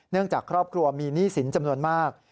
จากครอบครัวมีหนี้สินจำนวนมาก